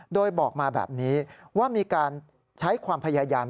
โดยบอกมาแบบนี้ว่ามีการใช้ความพยายาม